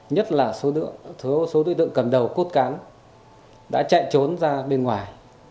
nhất là số đối tượng cầm đầu cốt cán đã chạy trốn ra bên ngoài